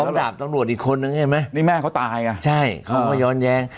ดาบตำรวจอีกคนนึงใช่ไหมนี่แม่เขาตายไงใช่เขาก็ย้อนแย้ง